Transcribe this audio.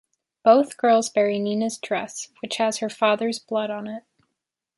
Both girls bury Nina's dress, which has her father's blood on it.